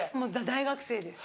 大学生です